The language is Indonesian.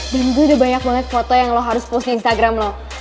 dan gue udah banyak banget foto yang lo harus post di instagram lo